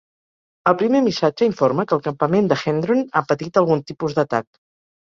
El primer missatge informa que el campament de Hendron ha patit algun tipus d'atac.